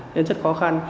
nên rất khó khăn